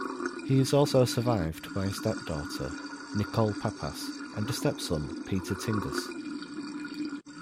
He is also survived by a stepdaughter, Nicole Pappas, and a stepson, Peter Tingus.